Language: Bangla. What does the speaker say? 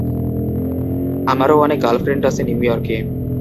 আমারও অনেক গার্লফ্রেন্ড আছে নিউ ইয়র্কে।